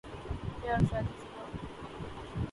کیا آپ شادی شدہ ہو